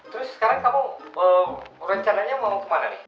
terus sekarang kamu rencananya mau kemana nih